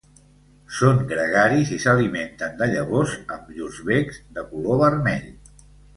Són gregaris i s'alimenten de llavors amb llurs becs, de color vermell.